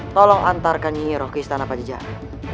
tolong antarkan nyeroh ke istana pajajara